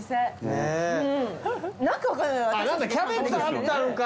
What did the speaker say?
あっ何だキャベツあったのか。